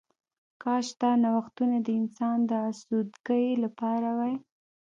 کاش دا نوښتونه د انسان د آسوده ګۍ لپاره وای